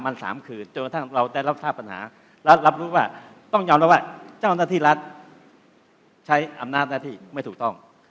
ในนั้นเอาสามวันสามคืน